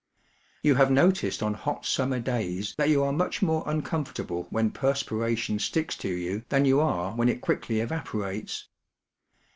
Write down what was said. You have noticed on hot summer days that you are much more uncomfortable when perspiration sticks to you than you are when it quickly evaporates.